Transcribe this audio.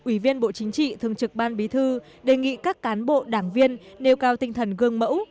ủy viên bộ chính trị thường trực ban bí thư đề nghị các cán bộ đảng viên nêu cao tinh thần gương mẫu